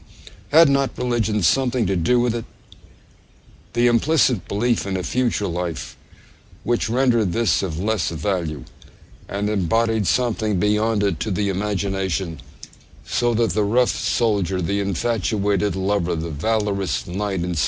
Had not religion something to do with it: the implicit belief in a future life, which rendered this of less value, and embodied something beyond it to the imagination; so that the rough soldier, the infatuated lover, the valorous knight, etc.